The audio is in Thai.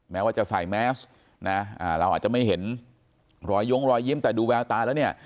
แม้ว่าจะใส่แมสนะเราอาจจะไม่เห็นรอยย้งรอยยิ้มแต่ดูแววตาแล้วเนี่ย